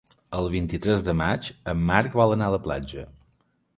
El vint-i-tres de maig en Marc vol anar a la platja.